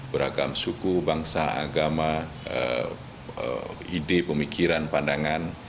beragam suku bangsa agama ide pemikiran pandangan